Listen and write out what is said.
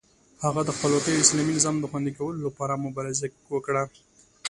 هغه د خپلواکۍ او اسلامي نظام د خوندي کولو لپاره مبارزه وکړه.